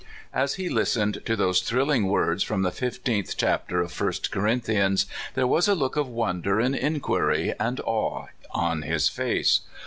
As he listened to those thrilling words from the fifteenth chapter of First Corinthians, there was a look of wonder, and inquiry, and awe on his face.